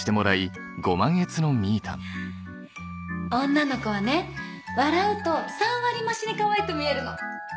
女の子はね笑うと３割増しにかわいく見えるの。